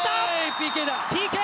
ＰＫ！